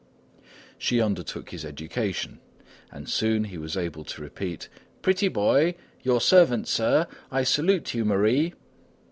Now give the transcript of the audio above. She undertook his education, and soon he was able to repeat: "Pretty boy! Your servant, sir! I salute you, Marie!"